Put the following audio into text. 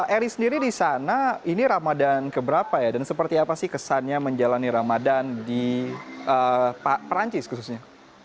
eri sendiri di sana ini ramadan keberapa ya dan seperti apa sih kesannya menjalani ramadan di perancis khususnya